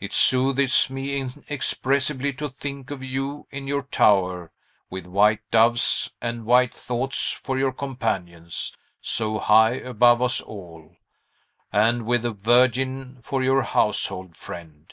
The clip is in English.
It soothes me inexpressibly to think of you in your tower, with white doves and white thoughts for your companions, so high above us all, and With the Virgin for your household friend.